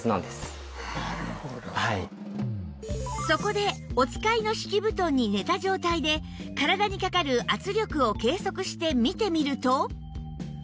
そこでお使いの敷布団に寝た状態で体にかかる圧力を計測して見てみると